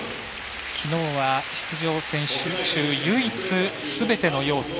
昨日は出場選手中唯一すべての要素